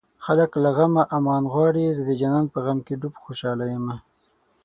خلک له غمه امان غواړي زه د جانان په غم کې ډوب خوشاله يمه